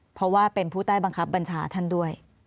เพราะว่าเป็นผู้ใต้บังคับบัญชาท่านด้วย